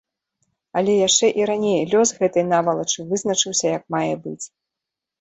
Але яшчэ і раней лёс гэтай навалачы вызначыўся як мае быць.